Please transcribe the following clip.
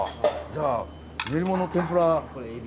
じゃあ練り物の天ぷら。